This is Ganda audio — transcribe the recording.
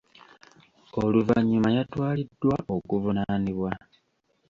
Oluvannyuma yatwaliddwa okuvunaanibwa.